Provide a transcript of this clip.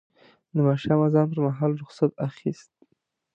د ماښام اذان پر مهال رخصت اخیست.